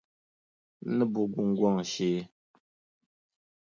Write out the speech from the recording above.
N ni bo gungɔŋ shee.